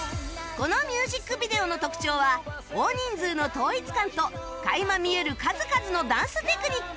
このミュージックビデオの特徴は大人数の統一感と垣間見える数々のダンステクニック